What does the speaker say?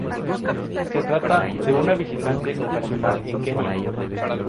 Se trata de un visitante ocasional en Kenia.